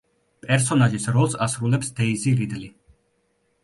პერსონაჟის როლს ასრულებს დეიზი რიდლი.